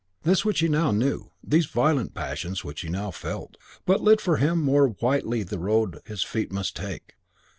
This which he now knew, these violent passions which now he felt, but lit for him more whitely the road his feet must take.